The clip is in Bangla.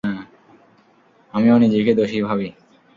আমিও নিজেকে দোষী ভাবি।